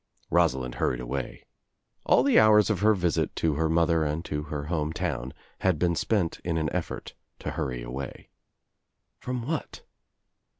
Rosalind hurried away. All the hours of her visit to her mother and to her home town had been spent in an effort to hurry away. From what?